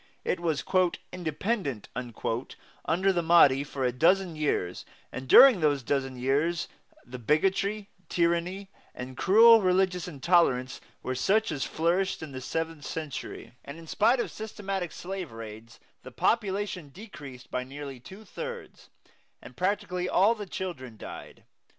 It was "independent" under the Mahdi for a dozen years, and during those dozen years the bigotry, tyranny, and cruel religious intolerance were such as flourished in the seventh century, and in spite of systematic slave raids the population decreased by nearly two thirds, and practically all the children died.